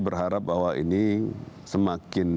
berharap bahwa ini semakin